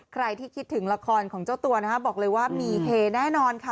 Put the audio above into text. ใครที่คิดถึงละครของเจ้าตัวนะคะบอกเลยว่ามีเฮแน่นอนค่ะ